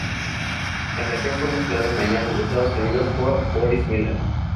La canción fue mezclada en Miami, Estados Unidos por Boris Milan.